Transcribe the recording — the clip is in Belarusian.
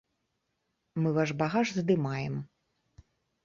Мы ваш багаж здымаем.